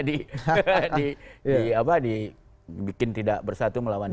dibikin tidak bersatu melawan